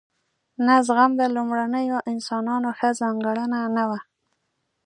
نه زغم د لومړنیو انسانانو ښه ځانګړنه نه وه.